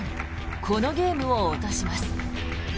このゲームを落とします。